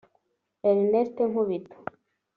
Ernest Nkubito